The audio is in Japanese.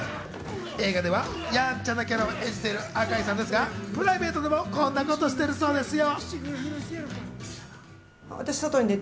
映画ではやんちゃなキャラを演じている赤井さんですが、プライベートでもこんなことしているそうですよ。